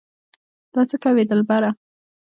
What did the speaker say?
دا څه کوې دلبره